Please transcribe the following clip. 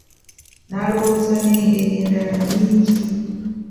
Nalowooza n'engeri endala nnyingi.